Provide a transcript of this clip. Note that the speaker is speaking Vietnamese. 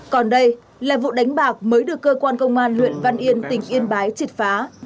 còn đây là vụ đánh bạc mới được cơ quan công an huyện văn yên tỉnh yên bái triệt phá